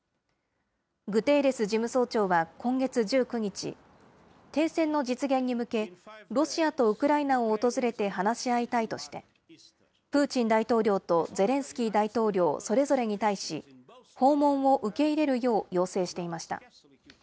グテーレス事務総長は今月１９日、停戦の実現に向け、ロシアとウクライナを訪れて話し合いたいとして、プーチン大統領とゼレンスキー大統領それぞれに対し、訪問を受け入れるよう要請していました。